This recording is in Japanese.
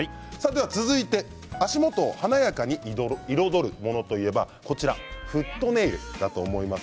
続いて足元を華やかに彩るものといえばフットネイルだと思います。